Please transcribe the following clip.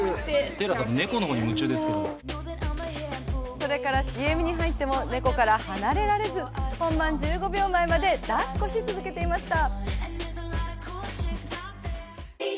それからＣＭに入っても猫から離れられず、本番１５秒前まで抱っこし続けていました。